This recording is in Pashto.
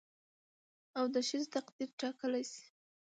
او د ښځې تقدير ټاکلى شي